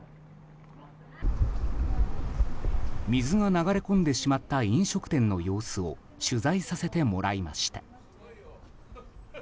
水が流れ込んでしまった飲食店の様子を取材させてもらいました。